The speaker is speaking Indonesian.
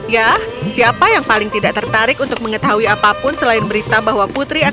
ya siapa yang paling tidak tertarik untuk mengetahui apapun selain berita bahwa pespartu itu tidak ada